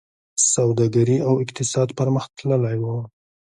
سوداګري او اقتصاد پرمختللی و